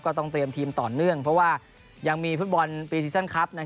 ก็ต้องเตรียมทีมต่อเนื่องเพราะว่ายังมีฟุตบอลนะครับ